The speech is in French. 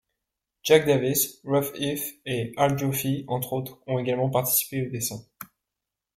Jack Davis, Russ Heath et Al Jaffee, entre autres, ont également participé au dessin.